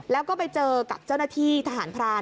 แล้วก็ไปเจอกับเจ้าหน้าที่ทหารพราน